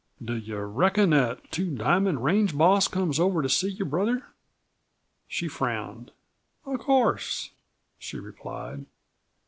"Do you reckon that Two Diamond range boss comes over to see your brother?" She frowned. "Of course!" she replied.